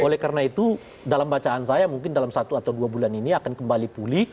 oleh karena itu dalam bacaan saya mungkin dalam satu atau dua bulan ini akan kembali pulih